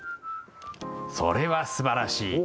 それはすばらしい。